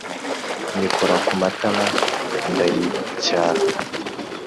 Nyikora ku matama ndayicyaha